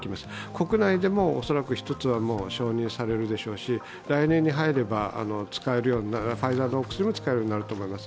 国内でも恐らく１つは承認されるでしょうし、来年に入ればファイザーのお薬も使えるようになると思います。